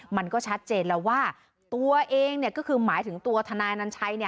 มันก็ชัดเจนแล้วว่าตัวเองก็คือหมายถึงตัวทนายอนัญชัย